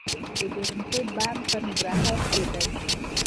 د درونټې بند په ننګرهار کې دی